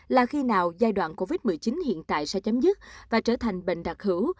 là khi nào giai đoạn covid một mươi chín hiện tại sẽ chấm dứt và trở thành bệnh đặc hữu